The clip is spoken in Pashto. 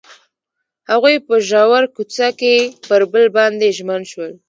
هغوی په ژور کوڅه کې پر بل باندې ژمن شول.